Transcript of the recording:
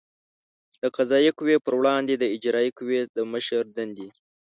د قضایه قوې پر وړاندې د اجرایه قوې د مشر دندې